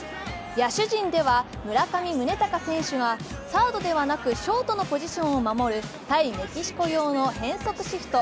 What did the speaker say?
野手陣では村上宗隆選手がサードではなくショートのポジションを守る対メキシコ用の変則シフト。